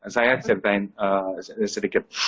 saya ceritain sedikit